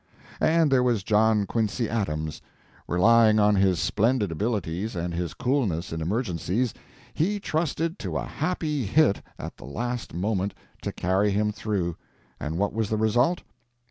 And there was John Quincy Adams. Relying on his splendid abilities and his coolness in emergencies, he trusted to a happy hit at the last moment to carry him through, and what was the result?